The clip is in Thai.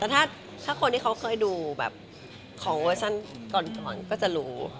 แต่ถ้าคนที่เขาเคยดูแบบของเวอร์ชันก่อนก็จะรู้